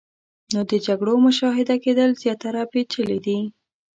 نو د جګړو مشاهده کېدل زیاتره پیچلې دي.